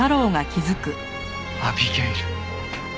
アビゲイル。